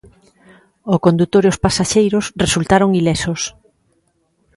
O condutor e os pasaxeiros resultaron ilesos.